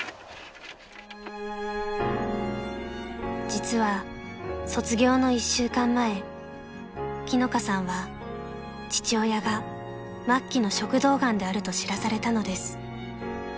［実は卒業の一週間前樹乃香さんは父親が末期の食道がんであると知らされたのです］